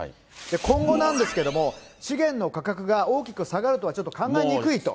今後なんですけども、資源の価格が大きく下がるとはちょっと考えにくいと。